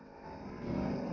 kabur lagi kejar kejar kejar